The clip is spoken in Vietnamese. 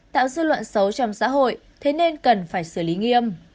tạo dư luận xấu trong xã hội thế nên cần phải xử lý nghiêm